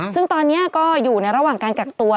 ซึ่งตอนนี้ก็อยู่ในระหว่างการกักตัว